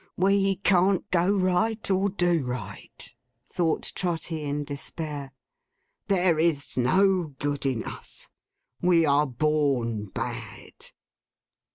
We can't go right or do right,' thought Trotty in despair. 'There is no good in us. We are born bad!